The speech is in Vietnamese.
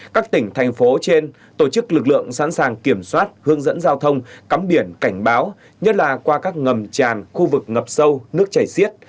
các tỉnh thành phố trên tổ chức lực lượng sẵn sàng kiểm soát hướng dẫn giao thông cắm biển cảnh báo nhất là qua các ngầm tràn khu vực ngập sâu nước chảy xiết